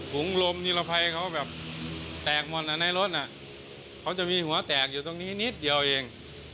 ถุงลมนิรภัยเขาแบบแตกหมดในรถเขาจะมีหัวแตกอยู่ตรงนี้นิดเดียวเอง